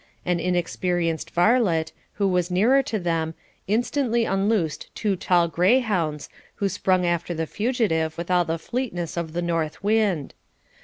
An inexperienced varlet, who was nearer to them, instantly unloosed two tall greyhounds, who sprung after the fugitive with all the fleetness of the north wind.